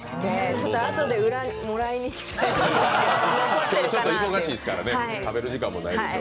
ちょっとあとで裏にもらいに行きたい、残ってるかな。